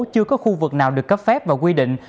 chưa có khu vực nào được cấp phép và quy định